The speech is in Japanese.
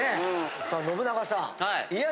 さあ信長さん家康